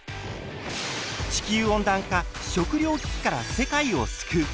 地球温暖化食糧危機から世界を救う！